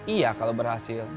iya kalau berhasil